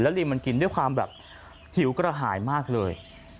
ลิงมันกินด้วยความแบบหิวกระหายมากเลย